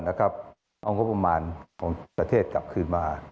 เอางบประมาณของประเทศกลับคืนมา